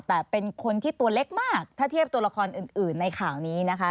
แต่เป็นคนที่ตัวเล็กมากถ้าเทียบตัวละครอื่นในข่าวนี้นะคะ